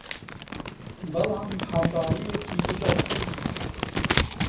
بەڵام حەمباڵییەکی لۆکس